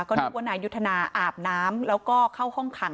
ก็นึกว่านายยุทธนาอาบน้ำแล้วก็เข้าห้องขัง